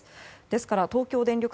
ですから東京電力